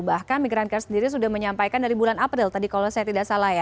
bahkan migrancare sendiri sudah menyampaikan dari bulan april tadi kalau saya tidak salah ya